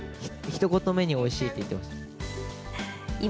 ひと言目においしいって言ってほしい。